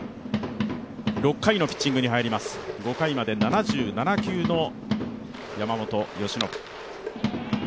６回のピッチングに入ります、５回まで７７球の山本由伸。